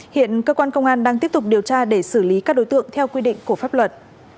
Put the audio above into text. hiện cơ quan công an đang tiếp tục điều tra để xử lý các đối tượng theo quy định của pháp luật